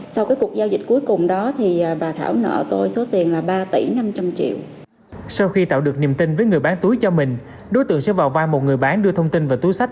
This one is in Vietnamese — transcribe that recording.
sau khi tạo được niềm tin với người bán túi cho mình đối tượng sẽ vào vai một người bán đưa thông tin và túi sách